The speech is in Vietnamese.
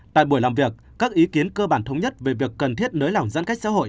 tại buổi làm việc các ý kiến cơ bản thống nhất về việc cần thiết nới lỏng giãn cách xã hội